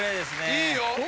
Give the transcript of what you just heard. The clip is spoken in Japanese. いいよ。